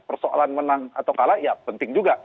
persoalan menang atau kalah ya penting juga